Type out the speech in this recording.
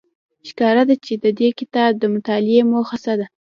ښکاره ده چې د دې کتاب د مطالعې موخه څه ده